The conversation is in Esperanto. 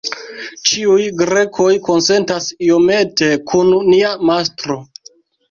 Ĉiuj Grekoj konsentas iomete kun nia mastro.